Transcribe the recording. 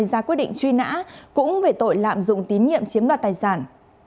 ra quyết định truy nã cũng về tội lạm dụng tín nhiệm chiếm đoạt tài sản